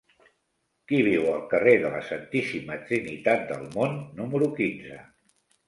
Qui viu al carrer de la Santíssima Trinitat del Mont número quinze?